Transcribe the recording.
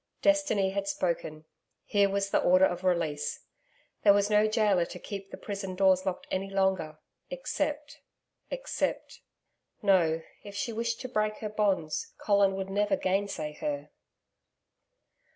Destiny had spoken. Here was the order of release. There was no gaoler to keep the prison doors locked any longer except except No, if she wished to break her bonds, Colin would never gainsay her.